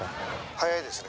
「早いですね。